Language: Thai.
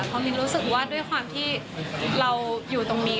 เพราะมินรู้สึกว่าด้วยความที่เราอยู่ตรงนี้